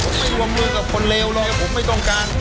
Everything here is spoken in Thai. ผมไม่วงมือกับคนเลวเลยผมไม่ต้องการ